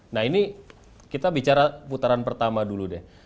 nah ini kita bicara putaran pertama dulu deh